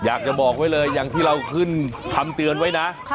อยากจะบอกไว้เลยอย่างที่เราขึ้นคำเตือนไว้นะ